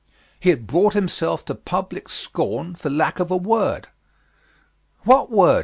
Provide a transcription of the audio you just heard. He had brought himself to public scorn for lack of a word. What word?